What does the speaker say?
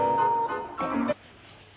って。